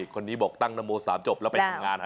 คนนี้บอกตั้งนโม๓จบแล้วไปทำงาน